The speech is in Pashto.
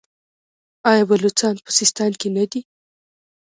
آیا بلوڅان په سیستان کې نه دي؟